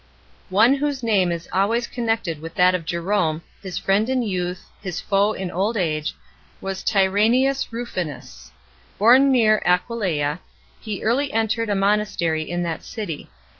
One whose name is always connected with that of Jerome, his friend in youth, his foe in old age, was Tyran nius Rufinus. Born near Aquileia, he early entered a monastery in that city.